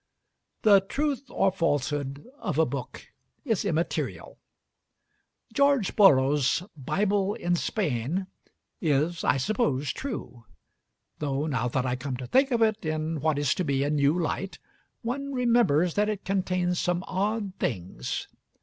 The truth or falsehood of a book is immaterial. George Borrow's 'Bible in Spain' is, I suppose, true; though now that I come to think of it in what is to me a new light, one remembers that it contains some odd things.